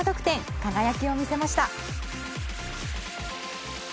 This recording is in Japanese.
輝きを見せました。